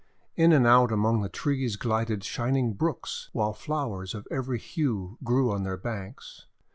In and out among the trees glided shining brooks, while flowers of every hue grew on their banks.